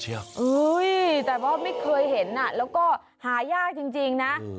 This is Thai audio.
เอ้ยแต่เพราะว่าไม่เคยเห็นน่ะแล้วก็หาแย่จริงน้า